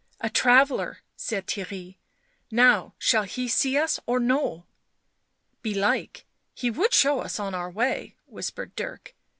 A traveller," said Theirry. " Now shall he see us or no?" " Belike he would show us on our way," whispered Dirk.